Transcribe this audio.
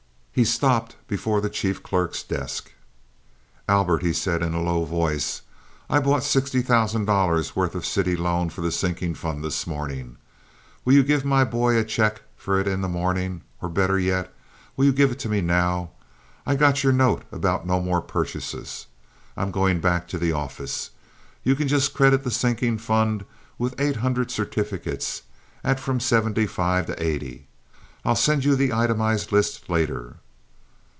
He stopped before the chief clerk's desk. "Albert," he said, in a low voice, "I bought sixty thousand dollars' worth of city loan for the sinking fund this morning. Will you give my boy a check for it in the morning, or, better yet, will you give it to me now? I got your note about no more purchases. I'm going back to the office. You can just credit the sinking fund with eight hundred certificates at from seventy five to eighty. I'll send you the itemized list later."